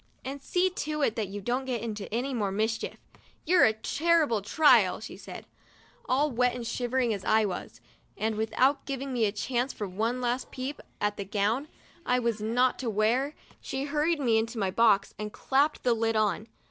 And see to it that you don't get into any more mischief. You're a terrible trial," she said, All wet and shivering as I was, and without giving me a chance for one last little peep at the gown I was not to wear, she hurried me into my box and clapped the lid on.